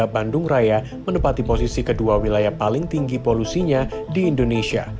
bandung raya menempati posisi kedua wilayah paling tinggi polusinya di indonesia